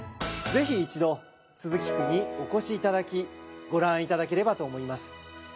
ぜひ一度都筑区にお越しいただきご覧いただければと思います。